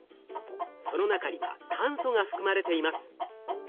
その中には炭素が含まれています。